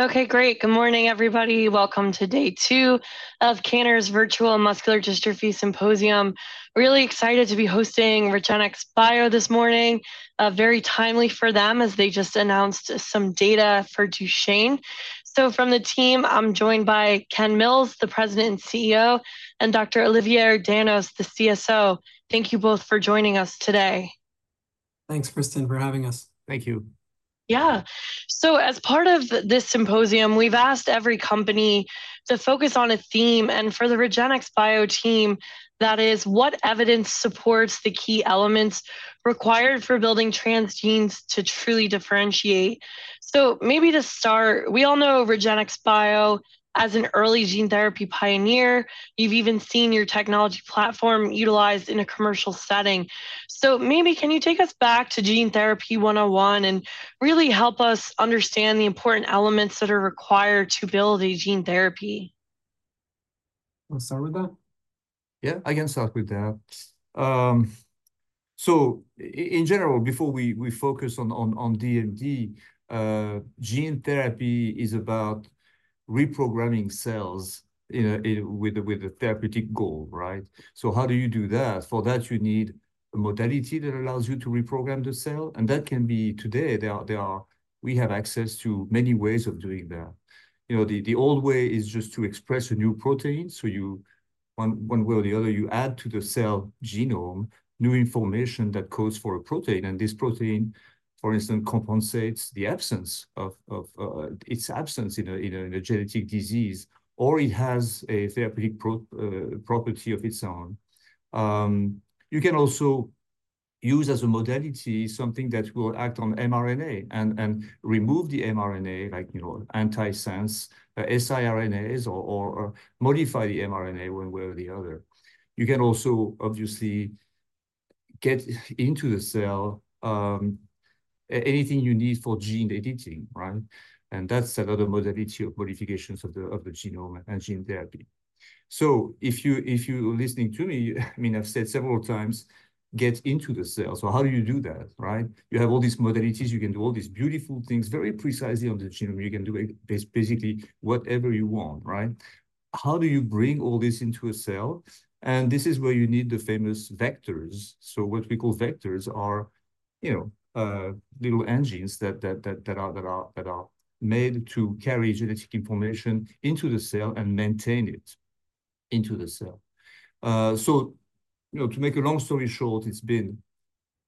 Okay, great. Good morning, everybody. Welcome to day two of Cantor's Virtual Muscular Dystrophy Symposium. Really excited to be hosting REGENXBIO this morning, very timely for them as they just announced some data for Duchenne. So from the team, I'm joined by Ken Mills, the President and CEO, and Dr. Olivier Danos, the CSO. Thank you both for joining us today. Thanks, Kristin, for having us. Thank you. Yeah. So as part of this symposium, we've asked every company to focus on a theme, and for the REGENXBIO team, that is, what evidence supports the key elements required for building transgenes to truly differentiate. So maybe to start, we all know REGENXBIO as an early gene therapy pioneer. You've even seen your technology platform utilized in a commercial setting. So maybe can you take us back to Gene Therapy 101 and really help us understand the important elements that are required to build a gene therapy? Want to start with that? Yeah, I can start with that. So in general, before we focus on DMD, gene therapy is about reprogramming cells, you know, with a therapeutic goal, right? So how do you do that? For that, you need a modality that allows you to reprogram the cell, and that can be. Today, there are, we have access to many ways of doing that. You know, the old way is just to express a new protein, so you, one way or the other, you add to the cell genome new information that codes for a protein, and this protein, for instance, compensates the absence of its absence in a genetic disease, or it has a therapeutic property of its own. You can also use as a modality something that will act on mRNA and remove the mRNA, like, you know, anti-sense, siRNAs, or modify the mRNA one way or the other. You can also, obviously, get into the cell, anything you need for gene editing, right? And that's another modality of modifications of the genome and gene therapy. So if you're listening to me, I mean, I've said several times, get into the cell. So how do you do that, right? You have all these modalities. You can do all these beautiful things very precisely on the genome. You can do it basically whatever you want, right? How do you bring all this into a cell? And this is where you need the famous vectors. So what we call vectors are, you know, little engines that are made to carry genetic information into the cell and maintain it into the cell. So, you know, to make a long story short, it's been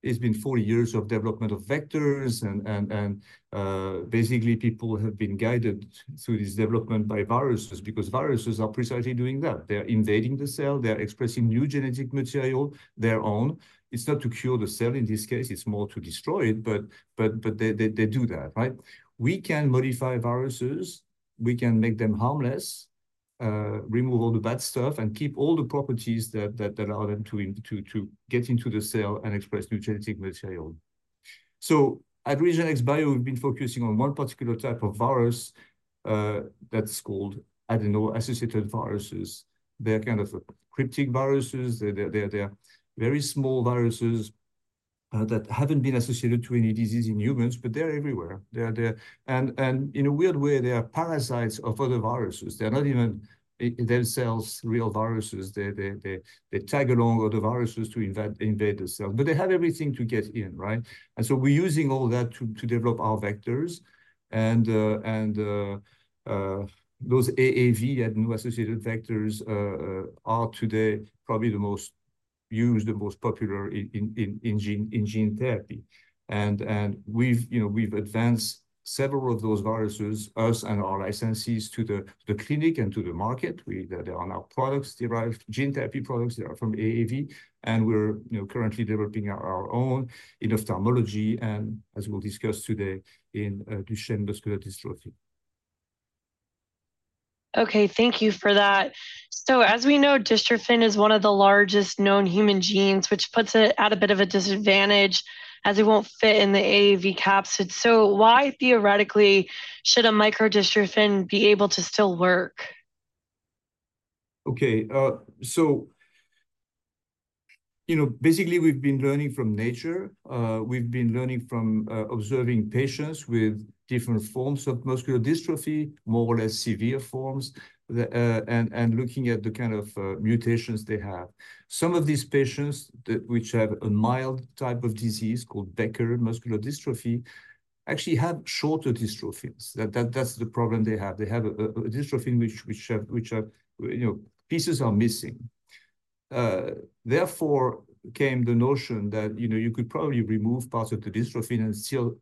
40 years of development of vectors, and, basically, people have been guided through this development by viruses because viruses are precisely doing that. They're invading the cell. They're expressing new genetic material, their own. It's not to cure the cell in this case. It's more to destroy it. But they do that, right? We can modify viruses. We can make them harmless, remove all the bad stuff, and keep all the properties that allow them to get into the cell and express new genetic material. So at REGENXBIO, we've been focusing on one particular type of virus, that's called adeno-associated viruses. They're kind of cryptic viruses. They're very small viruses, that haven't been associated to any disease in humans, but they're everywhere. They're there. And in a weird way, they are parasites of other viruses. They're not even themselves real viruses. They tag along other viruses to invade the cell, but they have everything to get in, right? And so we're using all that to develop our vectors. And those AAV adeno-associated vectors are today probably the most used, the most popular in gene therapy. And we've, you know, we've advanced several of those viruses, us and our licensees, to the clinic and to the market. Well, there are now products, derived gene therapy products, that are from AAV, and we're, you know, currently developing our own in ophthalmology, and as we'll discuss today in Duchenne muscular dystrophy. Okay, thank you for that. So as we know, dystrophin is one of the largest known human genes, which puts it at a bit of a disadvantage as it won't fit in the AAV capsid. So why theoretically should a microdystrophin be able to still work? Okay, so, you know, basically, we've been learning from nature. We've been learning from observing patients with different forms of muscular dystrophy, more or less severe forms, and looking at the kind of mutations they have. Some of these patients that have a mild type of disease called Becker Muscular Dystrophy actually have shorter dystrophins. That's the problem they have. They have a dystrophin which have, you know, pieces are missing. Therefore came the notion that, you know, you could probably remove parts of the dystrophin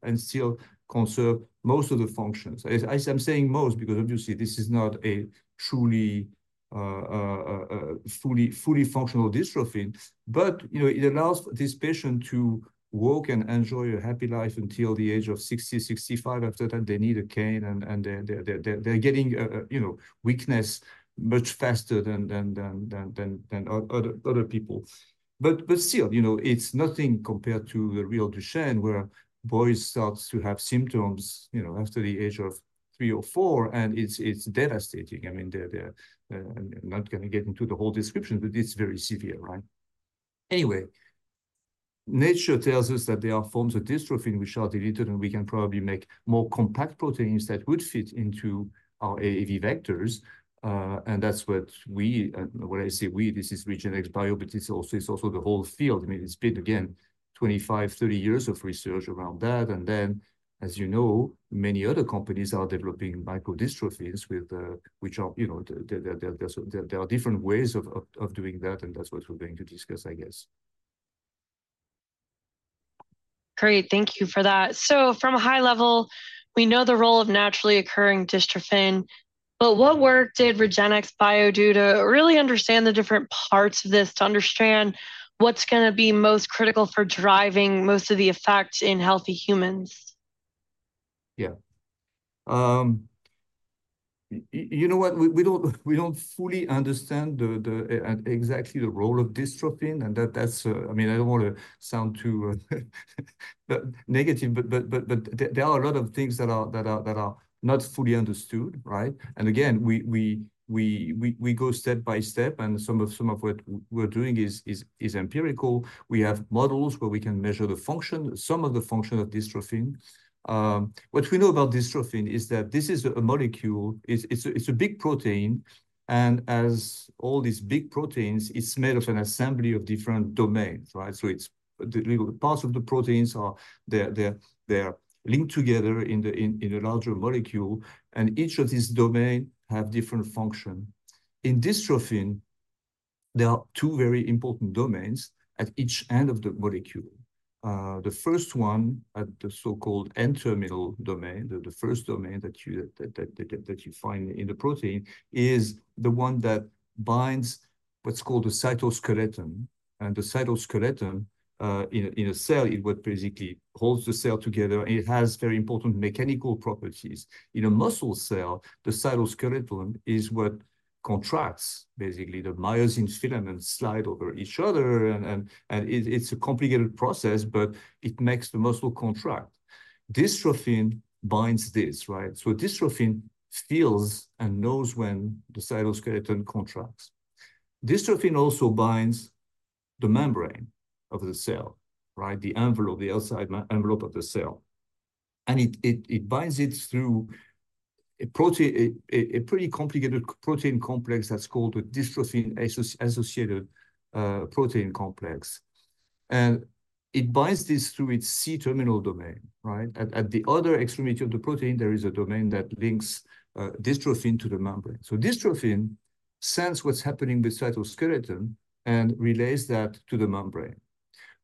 and still conserve most of the functions. I'm saying most because, obviously, this is not a truly fully functional dystrophin. But, you know, it allows this patient to walk and enjoy a happy life until the age of 60-65. After that, they need a cane, and they're getting, you know, weakness much faster than other people. But still, you know, it's nothing compared to the real Duchenne, where boys start to have symptoms, you know, after the age of 3 or 4, and it's devastating. I mean, I'm not going to get into the whole description, but it's very severe, right? Anyway, nature tells us that there are forms of dystrophin which are deleted, and we can probably make more compact proteins that would fit into our AAV vectors, and that's what we – when I say we, this is REGENXBIO, but it's also the whole field. I mean, it's been, again, 25, 30 years of research around that. Then, as you know, many other companies are developing microdystrophins, which are, you know, there are different ways of doing that, and that's what we're going to discuss, I guess. Great. Thank you for that. From a high level, we know the role of naturally occurring dystrophin. But what work did REGENXBIO do to really understand the different parts of this, to understand what's going to be most critical for driving most of the effect in healthy humans? Yeah. You know what? We don't fully understand exactly the role of dystrophin, and that's I mean, I don't want to sound too negative, but there are a lot of things that are not fully understood, right? And again, we go step by step, and some of what we're doing is empirical. We have models where we can measure the function, some of the function of dystrophin. What we know about dystrophin is that this is a molecule. It's a big protein. And as all these big proteins, it's made of an assembly of different domains, right? So it's the little parts of the proteins are they're linked together in a larger molecule, and each of these domains have different functions. In dystrophin, there are two very important domains at each end of the molecule. The first one at the so-called N-terminal domain, the first domain that you find in the protein is the one that binds what's called the cytoskeleton. And the cytoskeleton, in a cell, it would basically hold the cell together, and it has very important mechanical properties. In a muscle cell, the cytoskeleton is what contracts, basically, the myosin filaments slide over each other, and it's a complicated process, but it makes the muscle contract. Dystrophin binds this, right? So dystrophin feels and knows when the cytoskeleton contracts. Dystrophin also binds the membrane of the cell, right? The envelope, the outside envelope of the cell. And it binds it through a protein, a pretty complicated protein complex that's called the dystrophin-associated protein complex. And it binds this through its C-terminal domain, right? At the other extremity of the protein, there is a domain that links dystrophin to the membrane. So dystrophin senses what's happening with cytoskeleton and relays that to the membrane.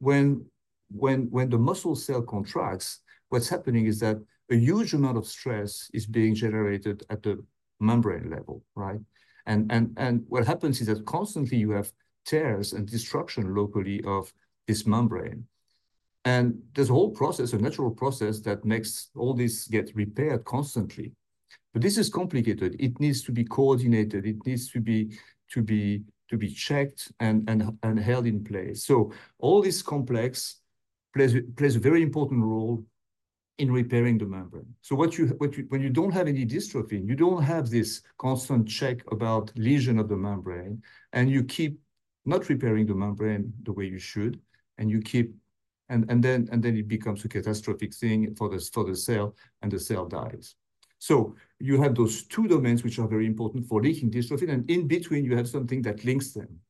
When the muscle cell contracts, what's happening is that a huge amount of stress is being generated at the membrane level, right? And what happens is that constantly you have tears and destruction locally of this membrane. And there's a whole process, a natural process that makes all this get repaired constantly. But this is complicated. It needs to be coordinated. It needs to be checked and held in place. So all this complex plays a very important role in repairing the membrane. So when you don't have any dystrophin, you don't have this constant check about lesion of the membrane, and you keep not repairing the membrane the way you should, and then it becomes a catastrophic thing for the cell, and the cell dies. So you have those two domains which are very important for linking dystrophin, and in between, you have something that links them.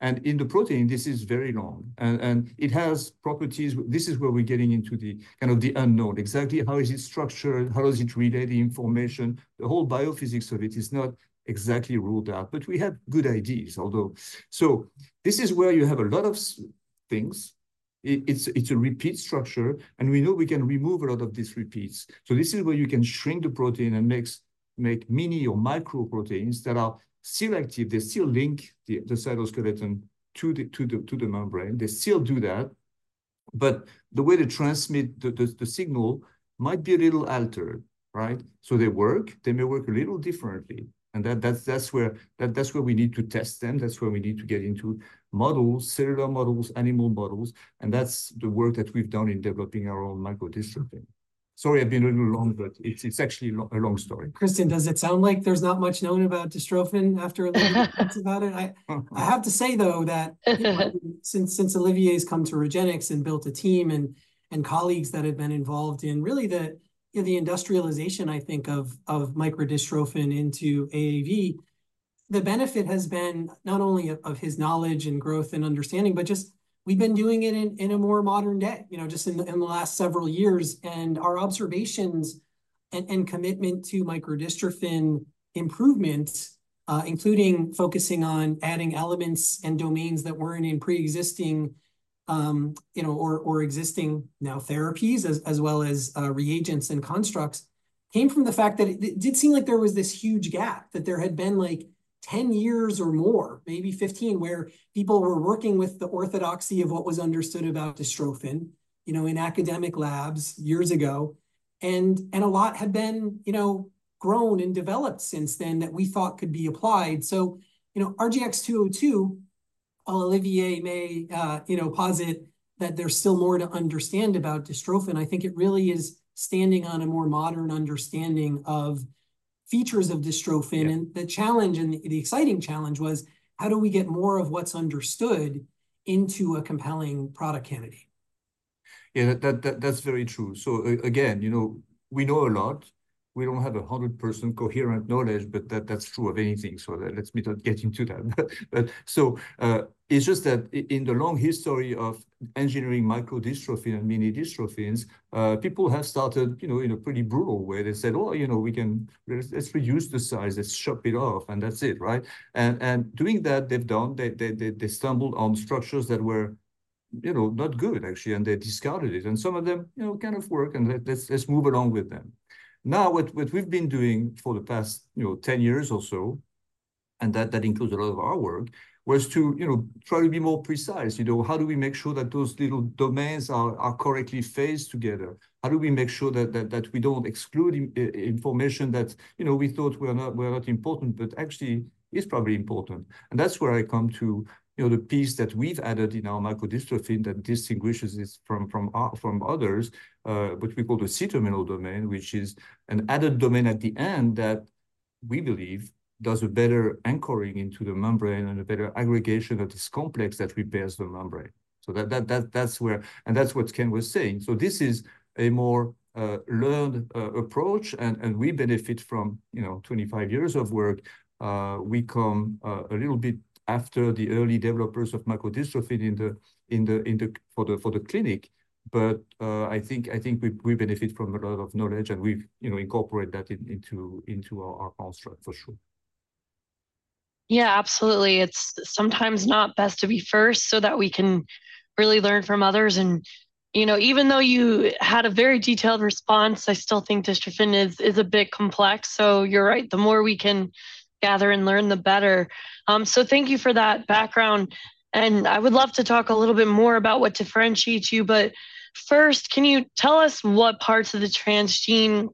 And in the protein, this is very long, and it has properties. This is where we're getting into the kind of the unknown. Exactly how is it structured? How does it relay the information? The whole biophysics of it is not exactly worked out, but we have good ideas, although so this is where you have a lot of things. It's a repeat structure, and we know we can remove a lot of these repeats. So this is where you can shrink the protein and make mini or micro proteins that are still active. They still link the cytoskeleton to the membrane. They still do that. But the way they transmit the signal might be a little altered, right? So they work. They may work a little differently. And that's where we need to test them. That's where we need to get into models, cellular models, animal models. And that's the work that we've done in developing our own microdystrophin. Sorry, I've been a little long, but it's actually a long story. Christine, does it sound like there's not much known about dystrophin after a little bit about it? I have to say, though, that you know since Olivier's come to Regenx and built a team and colleagues that have been involved in really the you know the industrialization, I think, of microdystrophin into AAV. The benefit has been not only of his knowledge and growth and understanding, but just we've been doing it in a more modern day, you know, just in the last several years, and our observations and commitment to microdystrophin improvements, including focusing on adding elements and domains that weren't in preexisting you know, or existing now therapies as well as reagents and constructs. Came from the fact that it did seem like there was this huge gap that there had been like 10 years or more, maybe 15, where people were working with the orthodoxy of what was understood about dystrophin, you know, in academic labs years ago. And a lot had been, you know, grown and developed since then that we thought could be applied. So, you know, RGX-202. While Olivier may, you know, posit that there's still more to understand about dystrophin, I think it really is standing on a more modern understanding of features of dystrophin. And the challenge and the exciting challenge was, how do we get more of what's understood into a compelling product candidate? Yeah, that's very true. So again, you know, we know a lot. We don't have a 100% coherent knowledge, but that's true of anything. So let me not get into that. But so, it's just that in the long history of engineering microdystrophin and mini-dystrophins, people have started, you know, in a pretty brutal way. They said, well, you know, we can let's reduce the size. Let's chop it off, and that's it, right? And doing that, they've done. They stumbled on structures that were, you know, not good, actually, and they discarded it. And some of them, you know, kind of work, and let's move along with them. Now what we've been doing for the past, you know, 10 years or so. And that includes a lot of our work was to, you know, try to be more precise. You know, how do we make sure that those little domains are correctly phased together? How do we make sure that we don't exclude information that, you know, we thought we're not important, but actually is probably important? And that's where I come to, you know, the piece that we've added in our microdystrophin that distinguishes this from others, what we call the C-terminal domain, which is an added domain at the end that we believe does a better anchoring into the membrane and a better aggregation of this complex that repairs the membrane. So that's where and that's what Ken was saying. So this is a more learned approach, and we benefit from, you know, 25 years of work. We come a little bit after the early developers of microdystrophin in the clinic. But I think we benefit from a lot of knowledge, and we've, you know, incorporated that into our construct for sure. Yeah, absolutely. It's sometimes not best to be first so that we can really learn from others. And you know, even though you had a very detailed response, I still think dystrophin is a bit complex. So you're right. The more we can gather and learn, the better. So thank you for that background. And I would love to talk a little bit more about what differentiates you. But first, can you tell us what parts of the transgene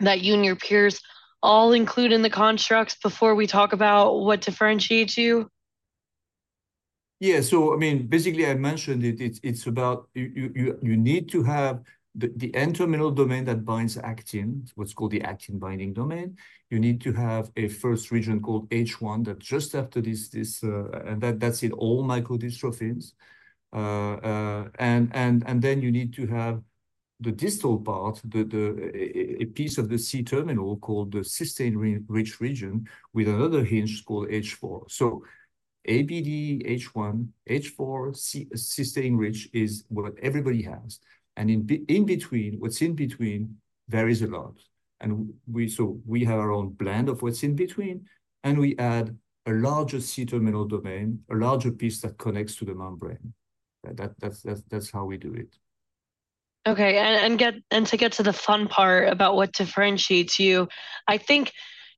that you and your peers all include in the constructs before we talk about what differentiates you? Yeah. So I mean, basically, I mentioned it. It's about you need to have the N-terminal domain that binds actin, what's called the actin binding domain. You need to have a first region called H1 that just after this and that that's it all microdystrophins. And then you need to have the distal part, the a piece of the C-terminal called the cysteine-rich region with another hinge called H4. So ABD H1 H4 cysteine-rich is what everybody has. And in between what's in between varies a lot. And so we have our own blend of what's in between. And we add a larger C-terminal domain, a larger piece that connects to the membrane. That's how we do it. Okay. And to get to the fun part about what differentiates you. I think,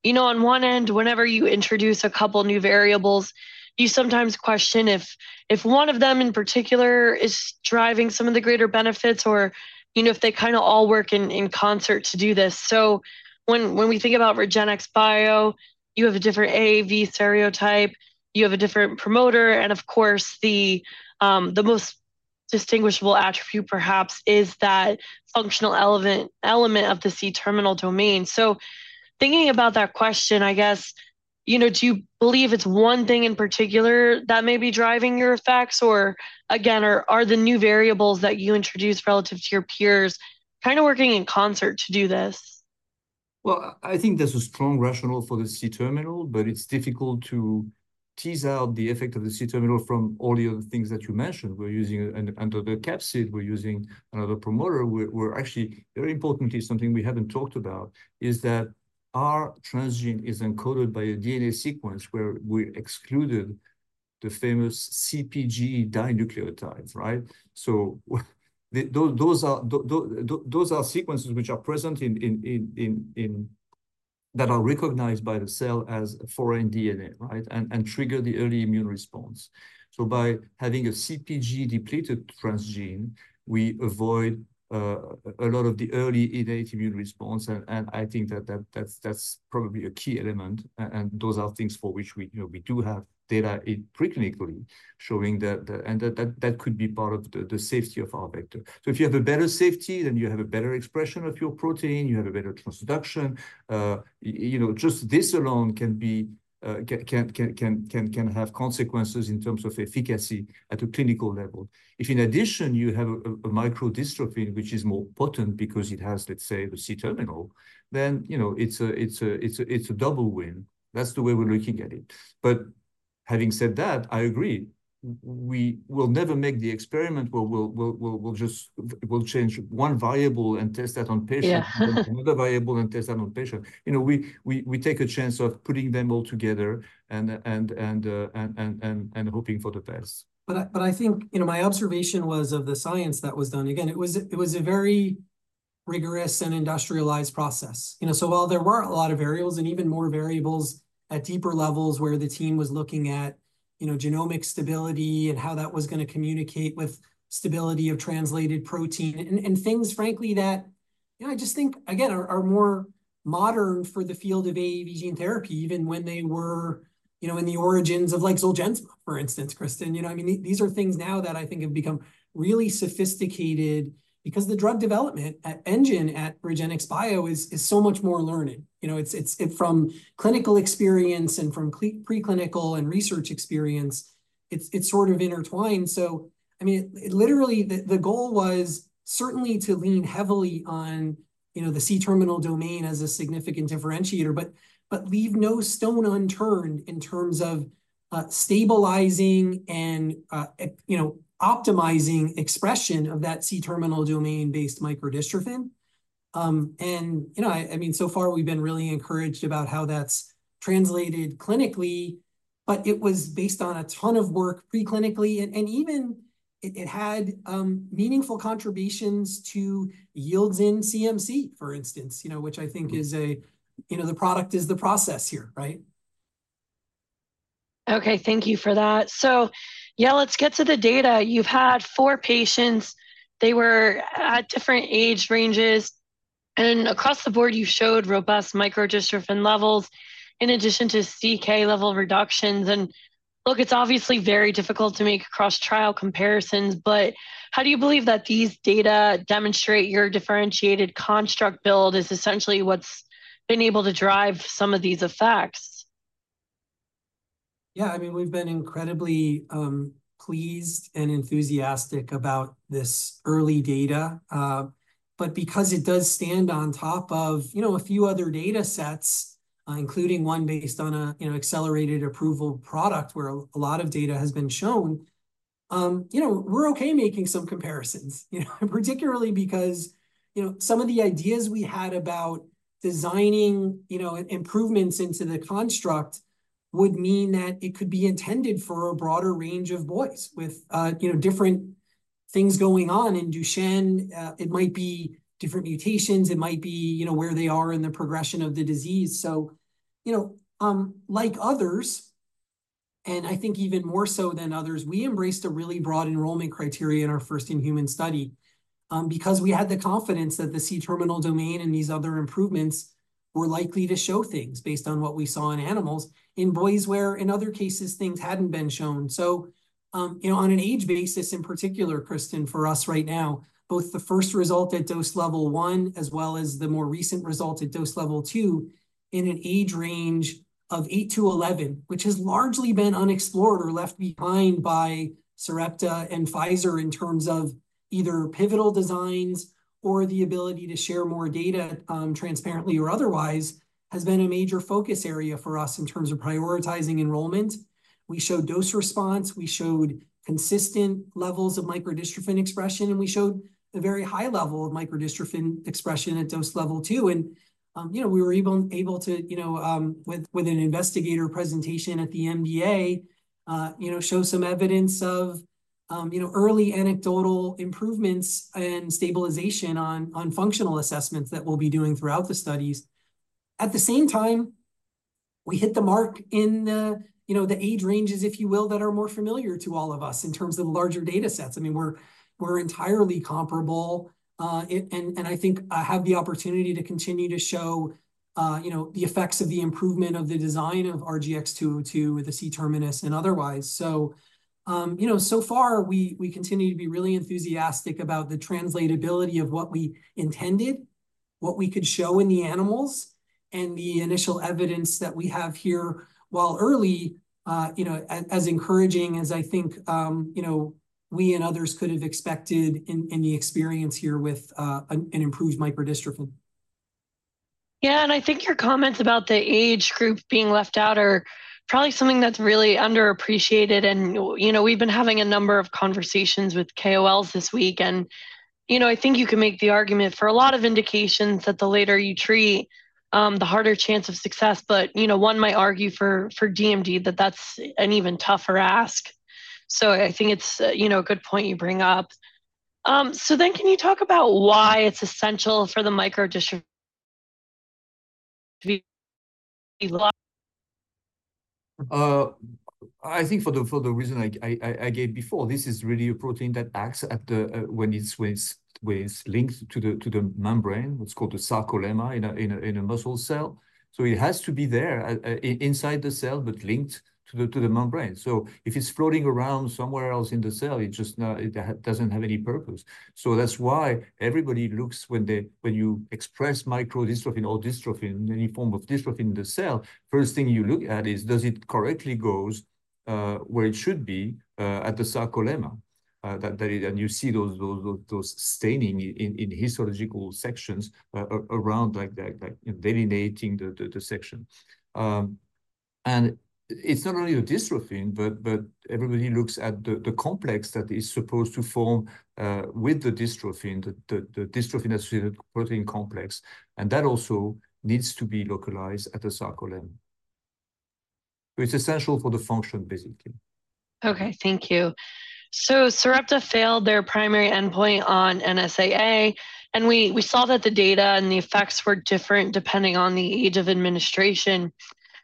you know, on one end, whenever you introduce a couple new variables, you sometimes question if one of them in particular is driving some of the greater benefits or, you know, if they kind of all work in concert to do this. So when we think about REGENXBIO, you have a different AAV serotype. You have a different promoter. And of course, the most distinguishable attribute, perhaps, is that functional element of the C-terminal domain. So thinking about that question, I guess, you know, do you believe it's one thing in particular that may be driving your effects or again, are the new variables that you introduce relative to your peers kind of working in concert to do this? Well, I think there's a strong rationale for the C-terminal, but it's difficult to tease out the effect of the C-terminal from all the other things that you mentioned. We're using another capsid. We're using another promoter. We're actually very importantly something we haven't talked about is that our transgene is encoded by a DNA sequence where we excluded the famous CpG dinucleotides, right? So those are sequences which are present in that are recognized by the cell as foreign DNA, right? And I think that's probably a key element. Those are things for which we, you know, we do have data in preclinical showing that could be part of the safety of our vector. So if you have a better safety, then you have a better expression of your protein. You have a better transduction. You know, just this alone can have consequences in terms of efficacy at a clinical level. If in addition, you have a microdystrophin, which is more potent because it has, let's say, the C-terminal, then, you know, it's a double win. That's the way we're looking at it. But having said that, I agree. We will never make the experiment where we'll just change one variable and test that on patients and another variable and test that on patients. You know, we take a chance of putting them all together and hoping for the best. But I think, you know, my observation was of the science that was done. Again, it was a very rigorous and industrialized process, you know. So while there were a lot of variables and even more variables at deeper levels where the team was looking at, you know, genomic stability and how that was going to communicate with stability of translated protein and things, frankly, that you know, I just think again are more modern for the field of AAV gene therapy, even when they were, you know, in the origins of like ZOLGENSMA, for instance, Christine, you know, I mean, these are things now that I think have become really sophisticated because the drug development at REGENXBIO is so much more learning. You know, it's from clinical experience and from preclinical and research experience. It's sort of intertwined. So I mean, literally the goal was certainly to lean heavily on, you know, the C-terminal domain as a significant differentiator, but leave no stone unturned in terms of stabilizing and, you know, optimizing expression of that C-terminal domain based microdystrophin. And you know, I mean, so far we've been really encouraged about how that's translated clinically. But it was based on a ton of work preclinically and even it had meaningful contributions to yields in CMC, for instance, you know, which I think is a you know, the product is the process here, right? Okay, thank you for that. So yeah, let's get to the data. You've had four patients. They were at different age ranges. And across the board, you showed robust microdystrophin levels in addition to CK level reductions. And look, it's obviously very difficult to make cross-trial comparisons, but how do you believe that these data demonstrate your differentiated construct build is essentially what's been able to drive some of these effects? Yeah, I mean, we've been incredibly pleased and enthusiastic about this early data. But because it does stand on top of, you know, a few other data sets, including one based on a, you know, accelerated approval product where a lot of data has been shown. You know, we're okay making some comparisons, you know, particularly because, you know, some of the ideas we had about designing, you know, improvements into the construct would mean that it could be intended for a broader range of boys with, you know, different things going on in Duchenne. It might be different mutations. It might be, you know, where they are in the progression of the disease. So, you know, like others. And I think even more so than others, we embraced a really broad enrollment criteria in our first-in-human study. Because we had the confidence that the C-terminal domain and these other improvements were likely to show things based on what we saw in animals in boys where in other cases things hadn't been shown. So, you know, on an age basis in particular, Christine, for us right now, both the first result at dose level 1 as well as the more recent result at dose level 2 in an age range of 8-11, which has largely been unexplored or left behind by Sarepta and Pfizer in terms of either pivotal designs or the ability to share more data transparently or otherwise has been a major focus area for us in terms of prioritizing enrollment. We showed dose response. We showed consistent levels of microdystrophin expression, and we showed a very high level of microdystrophin expression at dose level 2. And, you know, we were even able to, you know, with an investigator presentation at the MDA, you know, show some evidence of, you know, early anecdotal improvements and stabilization on functional assessments that we'll be doing throughout the studies. At the same time, we hit the mark in the, you know, the age ranges, if you will, that are more familiar to all of us in terms of larger data sets. I mean, we're entirely comparable. And I think I have the opportunity to continue to show, you know, the effects of the improvement of the design of RGX-202 with the C-terminus and otherwise. So, you know, so far we continue to be really enthusiastic about the translatability of what we intended, what we could show in the animals. The initial evidence that we have here, while early, you know, as encouraging as I think, you know, we and others could have expected in the experience here with an improved microdystrophin. Yeah, and I think your comments about the age group being left out are probably something that's really underappreciated. And you know, we've been having a number of conversations with KOLs this week. And you know, I think you can make the argument for a lot of indications that the later you treat, the harder chance of success. But you know, one might argue for DMD that that's an even tougher ask. So I think it's, you know, a good point you bring up. So then can you talk about why it's essential for the Microdystrophin to be? I think for the reason I gave before, this is really a protein that acts at the membrane when it's linked to the membrane, what's called the sarcolemma in a muscle cell. So it has to be there inside the cell, but linked to the membrane. So if it's floating around somewhere else in the cell, it just doesn't have any purpose. So that's why everybody looks when you express microdystrophin or dystrophin in any form of dystrophin in the cell. First thing you look at is does it correctly goes where it should be at the sarcolemma? That is and you see those staining in histological sections around like that like delineating the section. It's not only a dystrophin, but everybody looks at the complex that is supposed to form with the dystrophin, the dystrophin-associated protein complex. That also needs to be localized at the sarcolemma. It's essential for the function, basically. Okay, thank you. So Sarepta failed their primary endpoint on NSAA. And we saw that the data and the effects were different depending on the age of administration.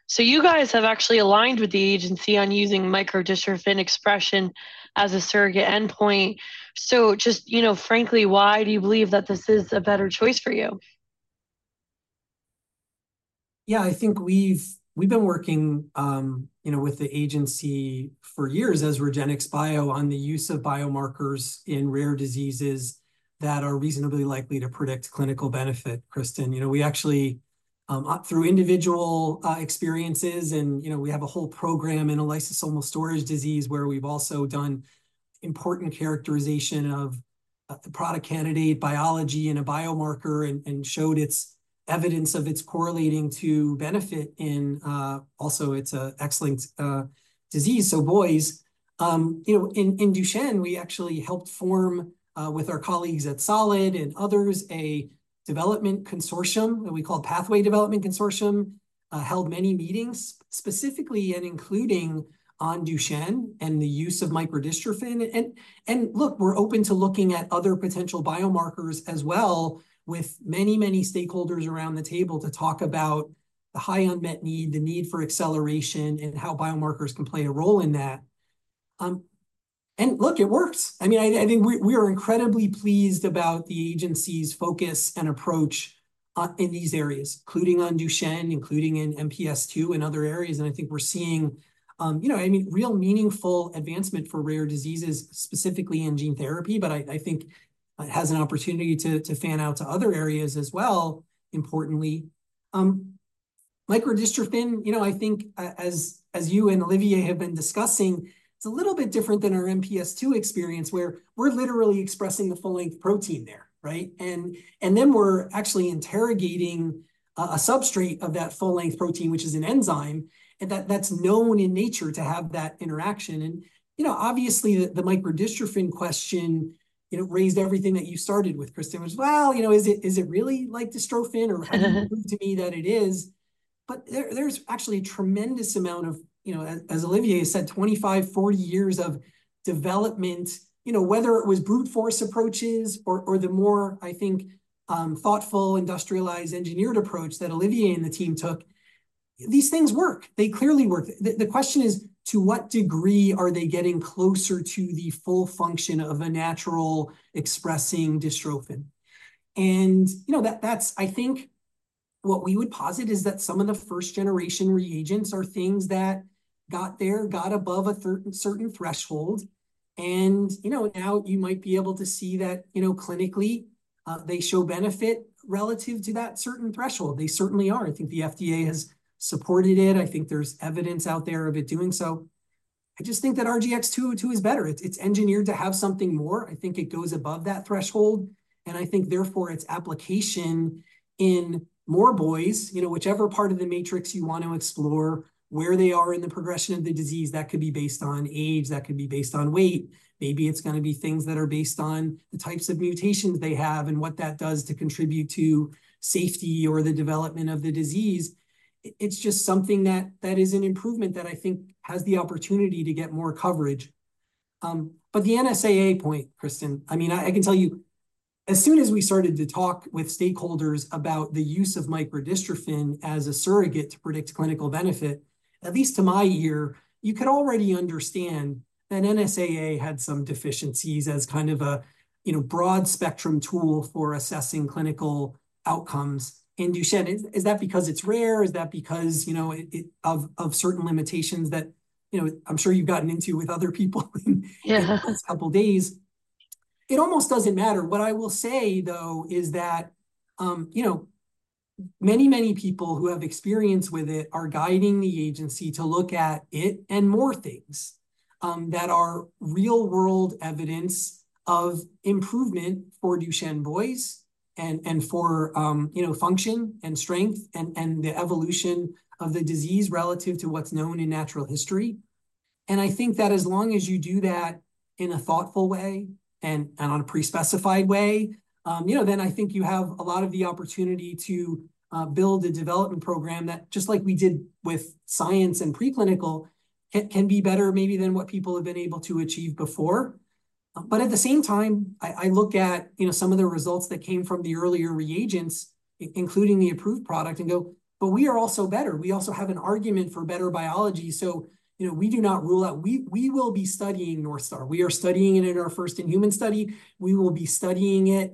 So you guys have actually aligned with the agency on using microdystrophin expression as a surrogate endpoint. So just, you know, frankly, why do you believe that this is a better choice for you? Yeah, I think we've been working, you know, with the agency for years as REGENXBIO on the use of biomarkers in rare diseases that are reasonably likely to predict clinical benefit. Christine, you know, we actually through individual experiences and you know, we have a whole program in a lysosomal storage disease where we've also done important characterization of the product candidate biology in a biomarker and showed its evidence of its correlating to benefit in also it's an excellent disease. So boys, you know, in Duchenne, we actually helped form with our colleagues at Solid and others a development consortium that we called Pathway Development Consortium. Held many meetings specifically and including on Duchenne and the use of microdystrophin. Look, we're open to looking at other potential biomarkers as well with many, many stakeholders around the table to talk about the high unmet need, the need for acceleration and how biomarkers can play a role in that. And look, it works. I mean, I think we are incredibly pleased about the agency's focus and approach in these areas, including on Duchenne, including in MPS II and other areas. And I think we're seeing, you know, I mean, real meaningful advancement for rare diseases specifically in gene therapy, but I think it has an opportunity to fan out to other areas as well. Importantly. Microdystrophin, you know, I think as you and Olivier have been discussing, it's a little bit different than our MPS II experience where we're literally expressing the full length protein there, right? And then we're actually interrogating a substrate of that full length protein, which is an enzyme. And that's known in nature to have that interaction. And you know, obviously the microdystrophin question, you know, raised everything that you started with, Christine, was, well, you know, is it really like dystrophin or how do you prove to me that it is? But there's actually a tremendous amount of, you know, as Olivier said, 25, 40 years of development, you know, whether it was brute force approaches or the more, I think, thoughtful, industrialized, engineered approach that Olivier and the team took. These things work. They clearly work. The question is, to what degree are they getting closer to the full function of a natural expressing dystrophin? And you know, that's, I think, what we would posit is that some of the first generation reagents are things that got there, got above a certain threshold. And you know, now you might be able to see that, you know, clinically, they show benefit relative to that certain threshold. They certainly are. I think the FDA has supported it. I think there's evidence out there of it doing so. I just think that RGX-202 is better. It's engineered to have something more. I think it goes above that threshold. And I think therefore its application in more boys, you know, whichever part of the matrix you want to explore, where they are in the progression of the disease, that could be based on age, that could be based on weight. Maybe it's going to be things that are based on the types of mutations they have and what that does to contribute to safety or the development of the disease. It's just something that is an improvement that I think has the opportunity to get more coverage. But the NSAA point, Christine, I mean, I can tell you. As soon as we started to talk with stakeholders about the use of microdystrophin as a surrogate to predict clinical benefit, at least to my ear, you could already understand that NSAA had some deficiencies as kind of a, you know, broad spectrum tool for assessing clinical outcomes. And Duchenne, is that because it's rare? Is that because, you know, it of certain limitations that, you know, I'm sure you've gotten into with other people in the last couple of days. It almost doesn't matter. What I will say, though, is that, you know, many, many people who have experience with it are guiding the agency to look at it and more things that are real-world evidence of improvement for Duchenne boys and for, you know, function and strength and the evolution of the disease relative to what's known in natural history. I think that as long as you do that in a thoughtful way and on a pre-specified way, you know, then I think you have a lot of the opportunity to build a development program that just like we did with science and preclinical can be better maybe than what people have been able to achieve before. But at the same time, I look at, you know, some of the results that came from the earlier regimens, including the approved product, and go, but we are also better. We also have an argument for better biology. So, you know, we do not rule out we will be studying North Star. We are studying it in our first-in-human study. We will be studying it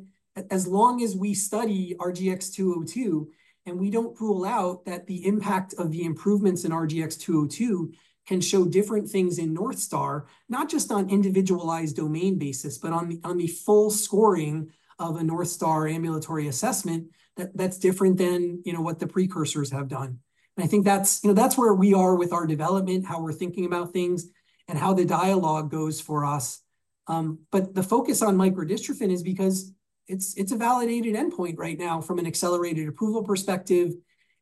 as long as we study RGX-202. And we don't rule out that the impact of the improvements in RGX-202 can show different things in North Star, not just on individual domain basis, but on the full scoring of a North Star Ambulatory Assessment that's different than, you know, what the precursors have done. And I think that's, you know, that's where we are with our development, how we're thinking about things. How the dialogue goes for us. But the focus on microdystrophin is because it's a validated endpoint right now from an accelerated approval perspective.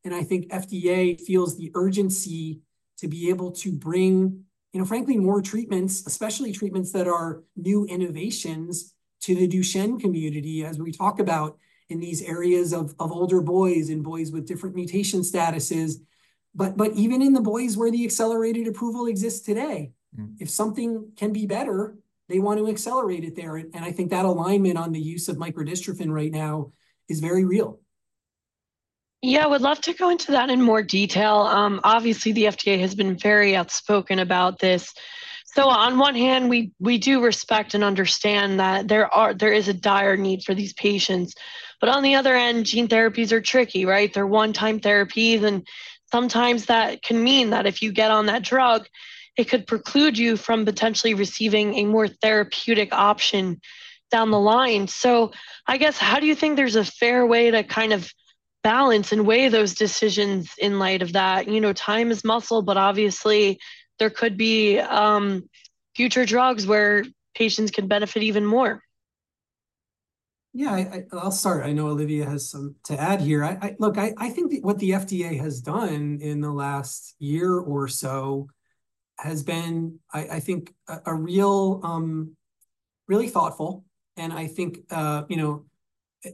And I think FDA feels the urgency to be able to bring, you know, frankly, more treatments, especially treatments that are new innovations to the Duchenne community as we talk about in these areas of older boys and boys with different mutation statuses. But even in the boys where the accelerated approval exists today. If something can be better, they want to accelerate it there. And I think that alignment on the use of microdystrophin right now is very real. Yeah, I would love to go into that in more detail. Obviously, the FDA has been very outspoken about this. So on one hand, we do respect and understand that there is a dire need for these patients. But on the other end, gene therapies are tricky, right? They're one-time therapies and sometimes that can mean that if you get on that drug, it could preclude you from potentially receiving a more therapeutic option down the line. So I guess how do you think there's a fair way to kind of balance and weigh those decisions in light of that? You know, time is muscle, but obviously there could be future drugs where patients can benefit even more. Yeah, I'll start. I know Olivier has some to add here. I look, I think that what the FDA has done in the last year or so has been, I think, a really thoughtful and I think, you know,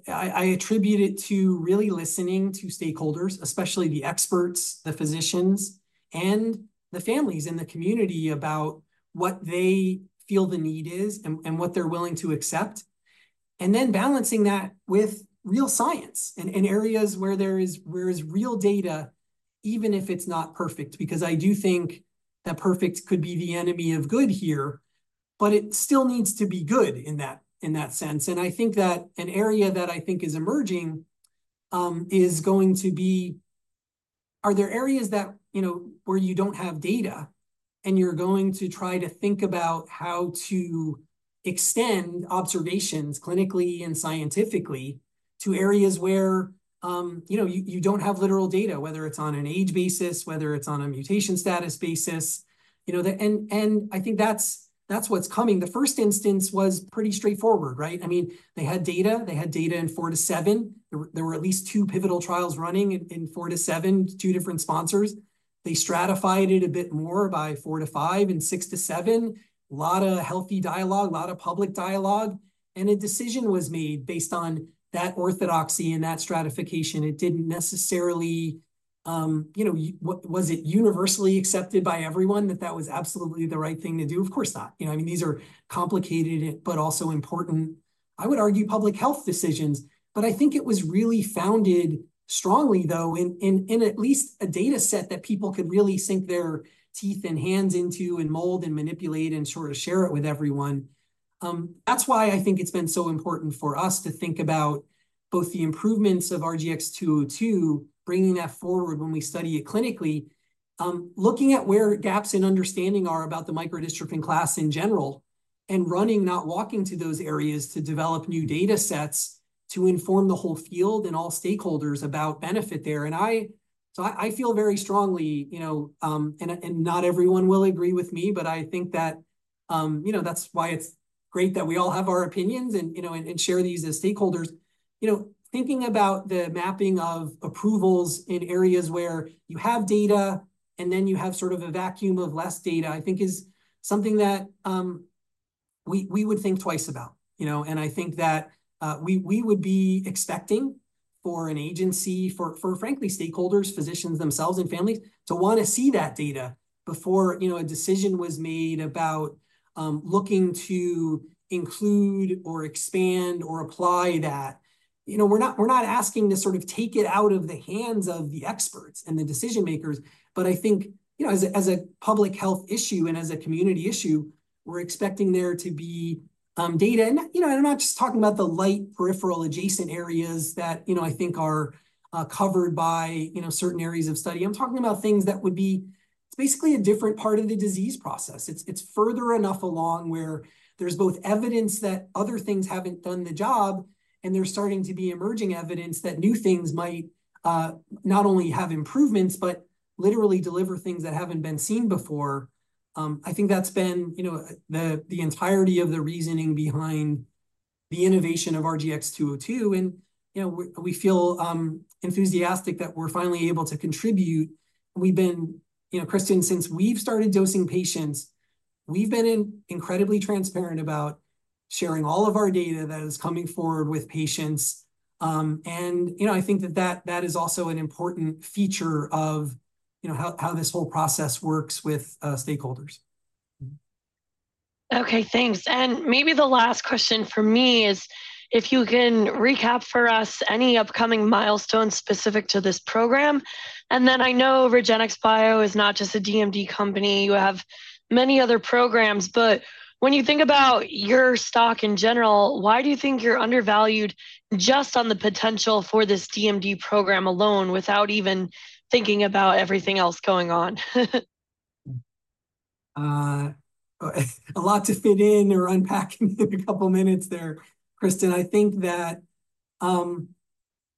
I attribute it to really listening to stakeholders, especially the experts, the physicians, and the families in the community about what they feel the need is and what they're willing to accept. And then balancing that with real science and areas where there is real data. Even if it's not perfect, because I do think that perfect could be the enemy of good here. But it still needs to be good in that sense. I think that an area that I think is emerging is going to be are there areas that, you know, where you don't have data and you're going to try to think about how to extend observations clinically and scientifically to areas where, you know, you don't have literal data, whether it's on an age basis, whether it's on a mutation status basis. You know, that and I think that's what's coming. The first instance was pretty straightforward, right? I mean, they had data. They had data in 4-7. There were at least two pivotal trials running in 4-7, two different sponsors. They stratified it a bit more by 4-5 and 6-7. A lot of healthy dialogue, a lot of public dialogue. A decision was made based on that orthodoxy and that stratification. It didn't necessarily, you know, was it universally accepted by everyone that that was absolutely the right thing to do? Of course not. You know, I mean, these are complicated, but also important. I would argue public health decisions, but I think it was really founded strongly, though, in at least a data set that people could really sink their teeth and hands into and mold and manipulate and sort of share it with everyone. That's why I think it's been so important for us to think about both the improvements of RGX-202, bringing that forward when we study it clinically. Looking at where gaps in understanding are about the microdystrophin class in general. And running, not walking to those areas to develop new data sets. To inform the whole field and all stakeholders about benefit there. And I feel very strongly, you know, and not everyone will agree with me, but I think that, you know, that's why it's great that we all have our opinions and, you know, and share these as stakeholders. You know, thinking about the mapping of approvals in areas where you have data and then you have sort of a vacuum of less data, I think is something that we would think twice about, you know, and I think that we would be expecting for an agency, for frankly, stakeholders, physicians themselves and families to want to see that data before, you know, a decision was made about looking to include or expand or apply that. You know, we're not asking to sort of take it out of the hands of the experts and the decision makers, but I think, you know, as a public health issue and as a community issue, we're expecting there to be data. You know, and I'm not just talking about the light peripheral adjacent areas that, you know, I think are covered by, you know, certain areas of study. I'm talking about things that would be. It's basically a different part of the disease process. It's further enough along where there's both evidence that other things haven't done the job. They're starting to be emerging evidence that new things might not only have improvements, but literally deliver things that haven't been seen before. I think that's been, you know, the entirety of the reasoning behind the innovation of RGX-202. You know, we feel enthusiastic that we're finally able to contribute. We've been, you know, Christine, since we've started dosing patients. We've been incredibly transparent about sharing all of our data that is coming forward with patients. You know, I think that is also an important feature of, you know, how this whole process works with stakeholders. Okay, thanks. And maybe the last question for me is if you can recap for us any upcoming milestones specific to this program. And then I know REGENXBIO is not just a DMD company. You have many other programs, but when you think about your stock in general, why do you think you're undervalued just on the potential for this DMD program alone without even thinking about everything else going on? A lot to fit in or unpack in a couple of minutes there, Christine. I think that, you know,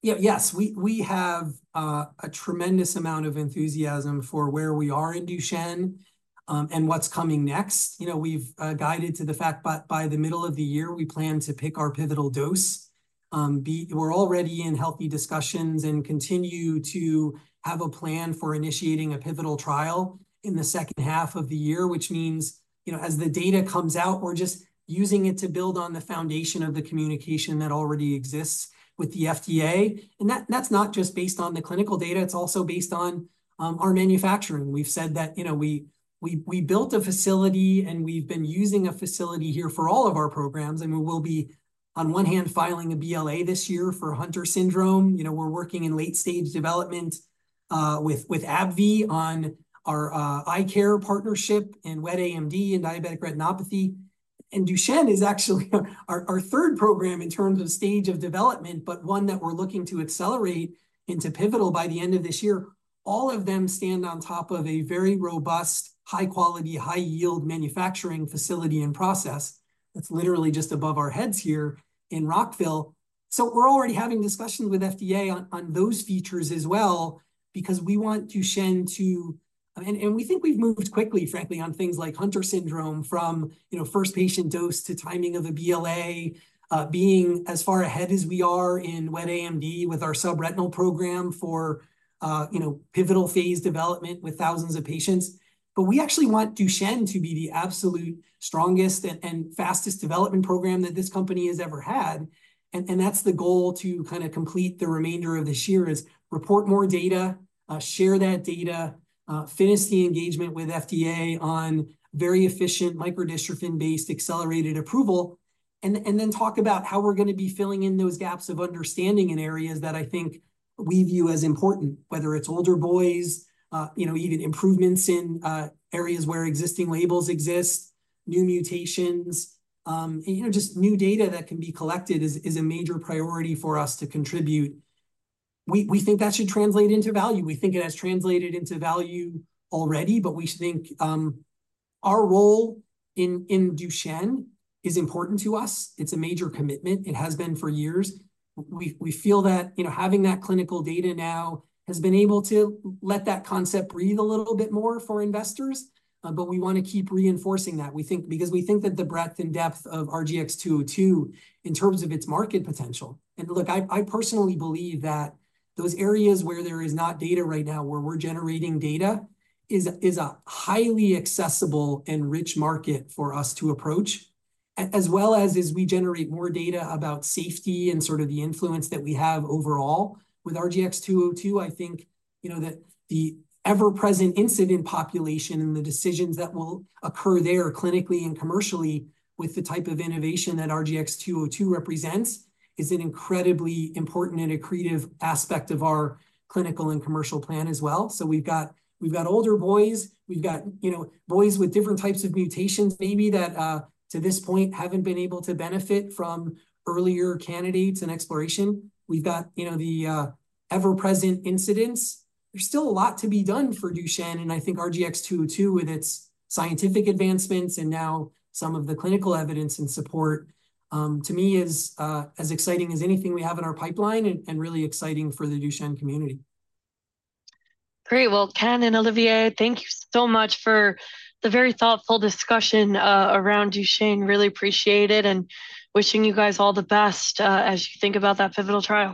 yes, we have a tremendous amount of enthusiasm for where we are in Duchenne. And what's coming next. You know, we've guided to the fact that by the middle of the year, we plan to pick our pivotal dose. We're already in healthy discussions and continue to have a plan for initiating a pivotal trial in the second half of the year, which means, you know, as the data comes out, we're just using it to build on the foundation of the communication that already exists with the FDA. And that's not just based on the clinical data. It's also based on our manufacturing. We've said that, you know, we built a facility and we've been using a facility here for all of our programs. I mean, we'll be on one hand filing a BLA this year for Hunter syndrome. You know, we're working in late stage development with AbbVie on our eye care partnership and Wet AMD and diabetic retinopathy. And Duchenne is actually our third program in terms of stage of development, but one that we're looking to accelerate into pivotal by the end of this year. All of them stand on top of a very robust, high quality, high yield manufacturing facility and process. That's literally just above our heads here in Rockville. So we're already having discussions with FDA on those features as well because we want Duchenne to and we think we've moved quickly, frankly, on things like Hunter syndrome from, you know, first patient dose to timing of a BLA. Being as far ahead as we are in Wet AMD with our subretinal program for, you know, pivotal phase development with thousands of patients. But we actually want Duchenne to be the absolute strongest and fastest development program that this company has ever had. And that's the goal to kind of complete the remainder of this year is report more data. Share that data. Finish the engagement with FDA on very efficient microdystrophin based accelerated approval. And then talk about how we're going to be filling in those gaps of understanding in areas that I think we view as important, whether it's older boys, you know, even improvements in areas where existing labels exist. New mutations. You know, just new data that can be collected is a major priority for us to contribute. We think that should translate into value. We think it has translated into value already, but we think our role in Duchenne is important to us. It's a major commitment. It has been for years. We feel that, you know, having that clinical data now has been able to let that concept breathe a little bit more for investors. But we want to keep reinforcing that. We think that the breadth and depth of RGX-202 in terms of its market potential. And look, I personally believe that those areas where there is not data right now, where we're generating data is a highly accessible and rich market for us to approach. As well as we generate more data about safety and sort of the influence that we have overall with RGX-202, I think, you know, that the ever-present incident population and the decisions that will occur there clinically and commercially with the type of innovation that RGX-202 represents is an incredibly important and a creative aspect of our clinical and commercial plan as well. So we've got older boys. We've got, you know, boys with different types of mutations maybe that to this point haven't been able to benefit from earlier candidates and exploration. We've got, you know, the ever-present incidence. There's still a lot to be done for Duchenne, and I think RGX-202 with its scientific advancements and now some of the clinical evidence and support to me is as exciting as anything we have in our pipeline, and really exciting for the Duchenne community. Great. Well, Ken and Olivier, thank you so much for the very thoughtful discussion around Duchenne. Really appreciate it and wishing you guys all the best as you think about that pivotal trial.